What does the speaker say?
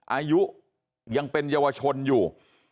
อายุยังเป็นเยาวชนอยู่